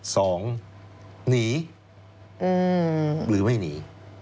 สองหนีหรือไม่หนี